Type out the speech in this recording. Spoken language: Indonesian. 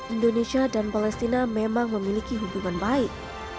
indonesia dan palestina memang memiliki hubungan baik